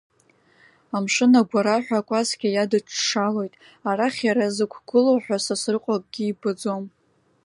Амшын агәараҳәа акәасқьа иадыҽҽалоит, арахь иара зықәгылоу ҳәа Сасрыҟәа акгьы ибаӡом.